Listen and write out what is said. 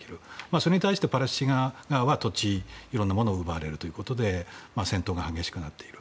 それに対してパレスチナ側はいろんなものを奪われるということで戦闘が激しくなっていく。